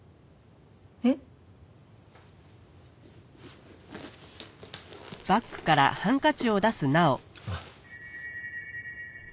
えっ？あっ。